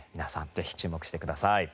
ぜひ注目してください。